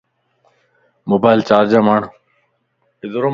موبائل چارج مَ ھڙ